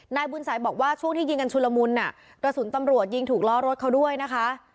นายบุญสัยบอกว่าช่วงที่ยิงกันชุลมุนกระสุนตำรวจยิงถูกล้อรถเขาด้วยนะคะ